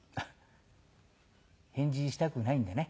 返事したくないんだね。